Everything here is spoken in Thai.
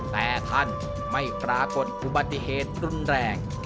แต่ท่านไม่ปรากฏอุบัติเหตุรุนแรง